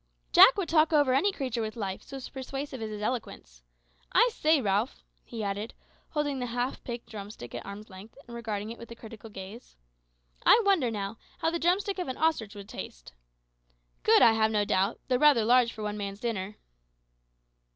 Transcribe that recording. "Jack would talk over any creature with life, so persuasive is his eloquence. I say, Ralph," he added, holding the half picked drumstick at arm's length, and regarding it with a critical gaze, "I wonder, now, how the drumstick of an ostrich would taste. Good, I have no doubt, though rather large for one man's dinner."